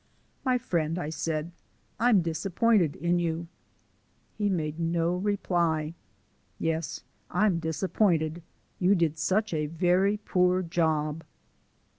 "My friend," I said, "I'm disappointed in you." He made no reply. "Yes, I'm disappointed. You did such a very poor job."